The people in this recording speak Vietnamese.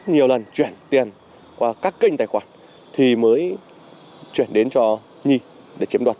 những người vi phạm thì do